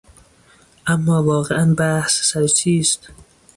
اما واقعا بحث سر چیست؟